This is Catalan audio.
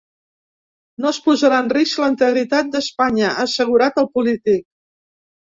No es posarà en risc la integritat d’Espanya, ha assegurat el polític.